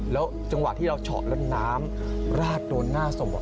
แล้วจังหวะที่เราเฉาะแล้วน้ำราดโดนหน้าศพ